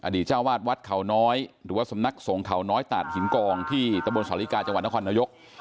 เจ้าวาดวัดเขาน้อยหรือว่าสำนักสงฆ์เขาน้อยตาดหินกองที่ตะบนสอลิกาจังหวัดนครนายก